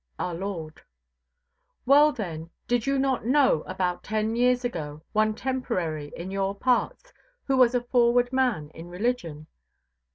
Our Lord. "Well, then, did you not know about ten years ago one Temporary in your parts who was a forward man in religion?